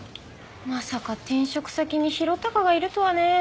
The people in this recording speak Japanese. まさか転職先に宏嵩がいるとはねぇ。